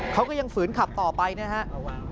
เขาก็ยังฝืนขับต่อไปนะครับ